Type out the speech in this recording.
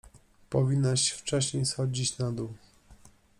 Powinnaś wcześniej schodzić na dół.